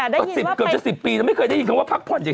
เกือบจะสิบปีเธอไม่เคยได้ยินถึงว่าพักผ่อน